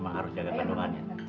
emang harus jaga kandungannya